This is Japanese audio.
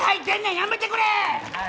やめてくれ！